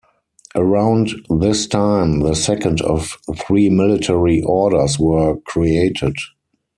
Around this time, the second of three military orders were created.